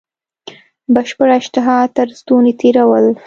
بشپړه اشتها تر ستوني تېرول.